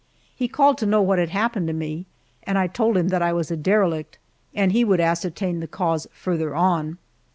He called to know what had happened to me, and I told him that I was a derelict, and he would ascertain the cause farther on.